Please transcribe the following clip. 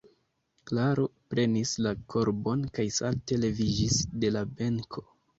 Klaro prenis la korbon kaj salte leviĝis de la benko.